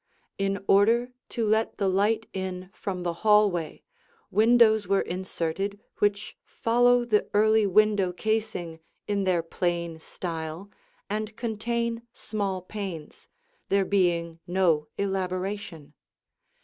In order to let the light in from the hallway, windows were inserted which follow the early window casing in their plain style and contain small panes, there being no elaboration.